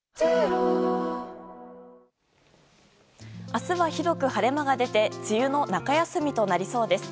明日は広く晴れ間が出て梅雨の中休みとなりそうです。